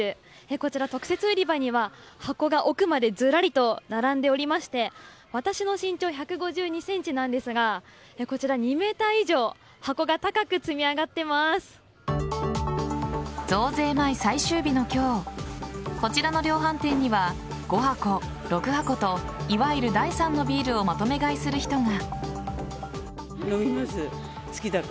こちら、特設売り場には箱が、奥までずらりと並んでおりまして私の身長１５２ｃｍなんですがこちら２ｍ以上増税前、最終日の今日こちらの量販店には５箱、６箱といわゆる第３のビールをまとめ買いする人が。